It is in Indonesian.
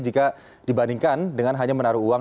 jika dibandingkan dengan hanya menaruh uang